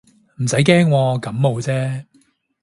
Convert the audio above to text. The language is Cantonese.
唔使驚喎，感冒啫